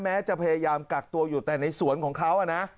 แม้จะพยายามกักตัวอยู่แต่ในสวนของเขานะ